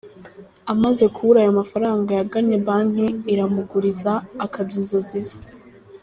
Amaze kubura ayo mafaranga yagannye banki iramuguriza akabya inzozi ze.